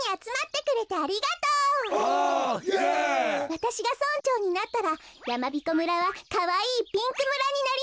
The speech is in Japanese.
わたしが村長になったらやまびこ村はかわいいピンク村になります！